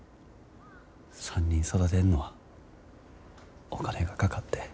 ３人育てんのはお金がかかって。